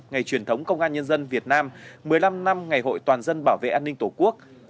ngày truyền thống công an nhân dân việt nam một mươi năm năm ngày hội toàn dân bảo vệ an ninh tổ quốc